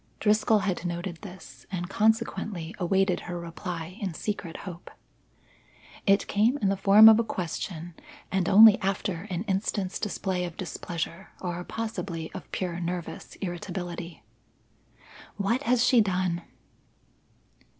Driscoll had noted this, and consequently awaited her reply in secret hope. It came in the form of a question and only after an instant's display of displeasure or possibly of pure nervous irritability. "What has she done?"